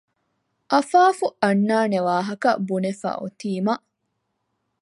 އަފާފު އަންނާނެ ވާހަކަ ބުނެފައި އޮތީމަ